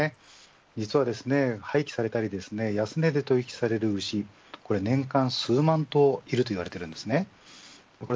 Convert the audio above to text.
実はですね、廃棄されたり安値で取引される牛年間数万頭いると言われています。